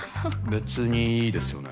べつにいいですよね？